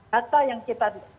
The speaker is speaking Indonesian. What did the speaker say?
data yang kita